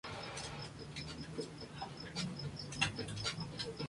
Fue, además, Directora de la Escuela Normal.